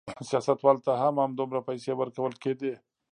سیاستوالو ته هم همدومره پیسې ورکول کېدې.